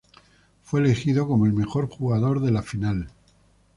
Fue elegido como el mejor jugador de la final.